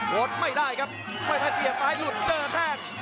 โถนไม่ได้ครับไวไฟเกิดสวยซ้ายหลุดเจอแท่ง